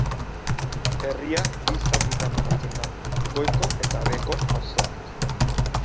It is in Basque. Herria bi zatitan banatzen da, goiko eta beheko auzoak.